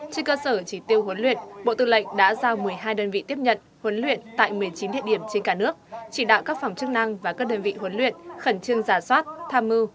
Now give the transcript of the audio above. trên cơ sở chỉ tiêu huấn luyện bộ tư lệnh đã giao một mươi hai đơn vị tiếp nhận huấn luyện tại một mươi chín địa điểm trên cả nước chỉ đạo các phòng chức năng và các đơn vị huấn luyện khẩn trương giả soát tham mưu